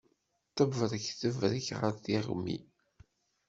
Tebrek tebrek ɣef tiɣmi.